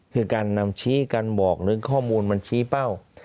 คือการนำชี้การบอกหรือข้อมูลมันชี้เป้า